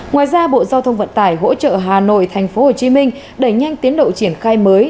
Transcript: ngoài ra bộ giao thông vận tải hỗ trợ hà nội tp hcm đẩy nhanh tiến độ triển khai mới